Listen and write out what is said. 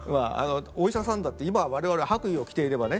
お医者さんだって今我々は白衣を着ていればね